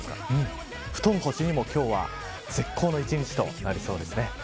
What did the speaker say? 布団干しにも今日は絶好の１日になりそうです。